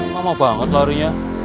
mama banget larinya